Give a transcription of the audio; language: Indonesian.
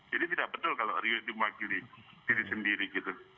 jadi tidak betul kalau rio itu mewakili diri sendiri gitu